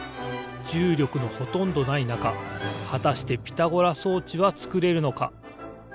じゅうりょくのほとんどないなかはたしてピタゴラ装置はつくれるのか？